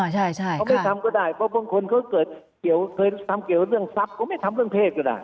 เขาไม่ทำก็ได้เพราะบางคนเขาเกิดเคยทำเกี่ยวเรื่องทรัพย์เขาไม่ทำเรื่องเพศก็ได้